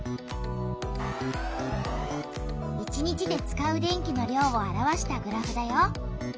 １日で使う電気の量を表したグラフだよ。